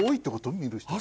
見る人が。